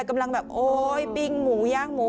กำลังแบบโอ๊ยปิ้งหมูย่างหมู